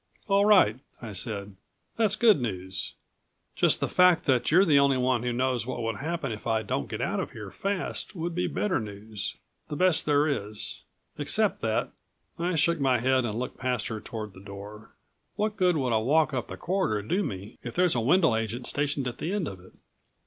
"All right," I said. "That's good news. Just the fact that you're the only one who knows what would happen if I don't get out of here fast would be better news the best there is. Except that " I shook my head and looked past her toward the door. "What good would a walk up the corridor do me if there's a Wendel agent stationed at the end of it?